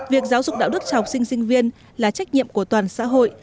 việc giáo dục đạo đức cho học sinh sinh viên là trách nhiệm của toàn xã hội